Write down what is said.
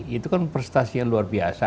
itu kan prestasi yang luar biasa